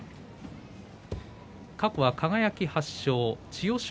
過去は輝が８勝、千代翔